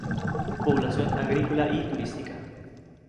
Población agrícola y turística.